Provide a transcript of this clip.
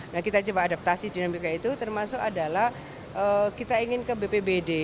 nah kita coba adaptasi dinamika itu termasuk adalah kita ingin ke bpbd